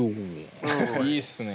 いいっすね。